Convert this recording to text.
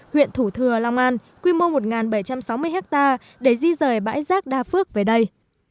huyện thủ thừa long an quy mô một bảy trăm sáu mươi ha để di rời bãi rác đa phước về đây